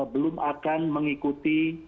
belum akan mengikuti